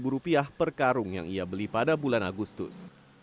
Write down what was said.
rp lima per karung yang ia beli pada bulan agustus